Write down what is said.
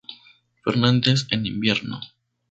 Fernández en invierno.